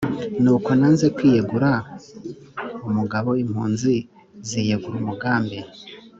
nuko nanze kwiyegura umugabo impunzi ziyegura umugambi